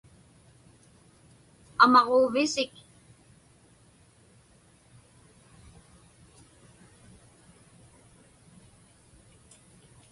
Amaġuuvisik?